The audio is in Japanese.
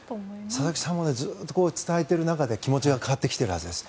佐々木さんはずっと伝えている中で気持ちが変わってきているはずです。